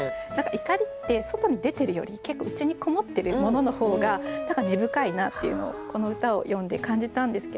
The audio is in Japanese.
怒りって外に出てるより結構内にこもってるものの方が何か根深いなっていうのをこの歌を読んで感じたんですけど。